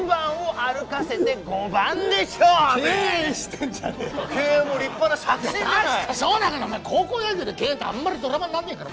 確かにそうだけどお前高校野球で敬遠ってあんまりドラマになんねえから。